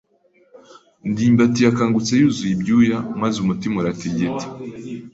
ndimbati yakangutse yuzuye ibyuya maze umutima uratigita.